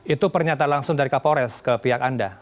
itu pernyataan langsung dari kapolres ke pihak anda